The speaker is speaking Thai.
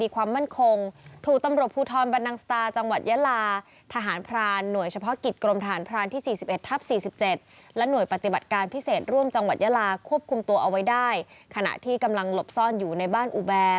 ควบคุมตัวเอาไว้ได้ขณะที่กำลังหลบซ่อนอยู่ในบ้านอุแบ